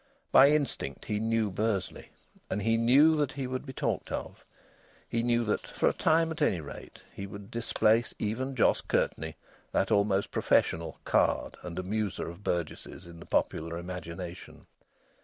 By instinct he knew Bursley, and he knew that he would be talked of. He knew that, for a time at any rate, he would displace even Jos Curtenty, that almost professional "card" and amuser of burgesses, in the popular imagination.